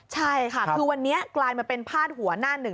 ใช่ค่ะคือวันนี้กลายมาเป็นพาดหัวหน้าหนึ่ง